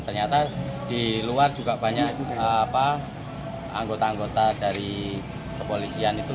ternyata di luar juga banyak anggota anggota dari kepolisian itu